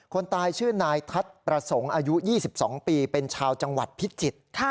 คนตายชื่อนายทัศน์ประสงค์อายุ๒๒ปีเป็นชาวจังหวัดพิจิตร